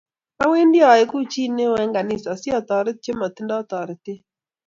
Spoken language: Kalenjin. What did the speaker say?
Awandi aeku chi neo eng kanisa siatoret che matindo toretet